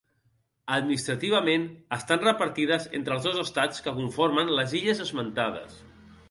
Administrativament, estan repartides entre els dos estats que conformen les illes esmentades.